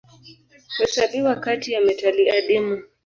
Huhesabiwa kati ya metali adimu.